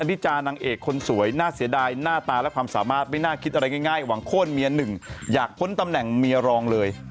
นิจานางเอกคนสวยน่าเสียดายหน้าตาและความสามารถไม่น่าคิดอะไรง่ายหวังโค้นเมียหนึ่งอยากพ้นตำแหน่งเมียรองเลย